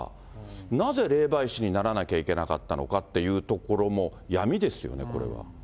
なぜ霊媒師にならなきゃいけなかったのかというところも闇ですよね、これは。